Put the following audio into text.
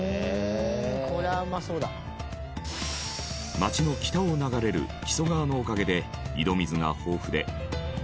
町の北を流れる木曽川のおかげで井戸水が豊富で。